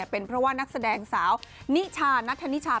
เป็นเพราะว่านักแสดงสาวนิชานัทธนิชา